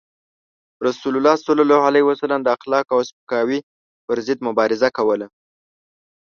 رسول الله صلى الله عليه وسلم د اخلاقو او سپکاوي پر ضد مبارزه کوله.